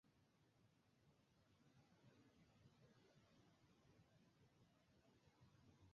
অবশেষে, মাহাথির অফিসে ফিরে আসেন।